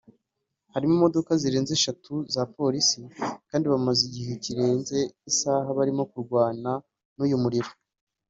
Hari imodoka zirenze eshatu za polisi kandi bamaze igihe kirenze isaha barimo kurwana n’uyu muriro